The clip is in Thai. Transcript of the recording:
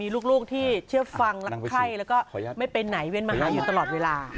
ลูกที่เชื่อฟังรักไข้แล้วก็ไม่ไปไหนเว้นมาหาอยู่ตลอดเวลา